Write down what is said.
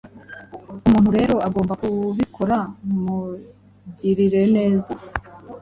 Umuntu rero agomba kubikora Mugirire neza